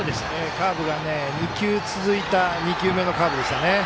カーブが２球続いた２球目のカーブでしたね。